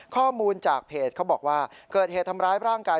ข้อมูลจากเพจเขาบอกว่าเกิดเหตุทำร้ายร่างกาย